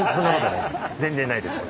全然ないです。